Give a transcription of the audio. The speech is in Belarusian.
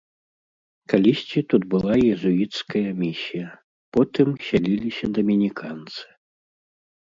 Калісьці тут была езуіцкая місія, потым сяліліся дамініканцы.